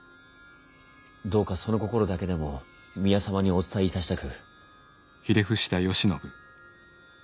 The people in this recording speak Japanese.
どうかその心だけでも宮様にお伝えいたしたく。